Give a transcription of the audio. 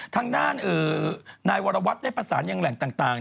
ทางด้านไวรวัฒในประสานแห่งแหล่งต่าง